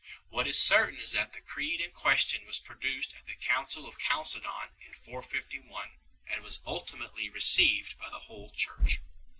What is certain is that the Creed in question was produced at the Council of Chalcedon in 451, and was j ultimately received by the whole Church.